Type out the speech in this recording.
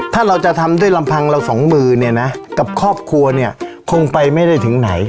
ถ้าเราจะทำด้วยลำพังเราสองมือเนี่ยนะกับครอบครัวเนี่ยคงไปไม่ได้ถึงไหน